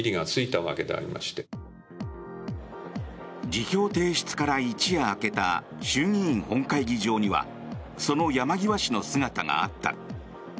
辞表提出から一夜明けた衆議院本会議場にはその山際氏の姿があった。